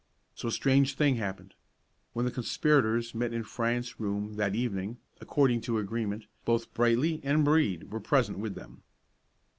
So a strange thing happened. When the conspirators met in Fryant's room that evening, according to agreement, both Brightly and Brede were present with them.